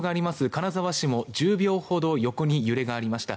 金沢市も１０秒ほど横に揺れがありました。